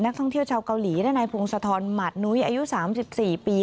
ท่องเที่ยวชาวเกาหลีและนายพงศธรหมาดนุ้ยอายุ๓๔ปี